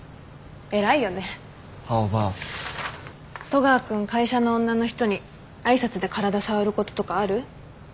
戸川君会社の女の人に挨拶で体触ることとかある？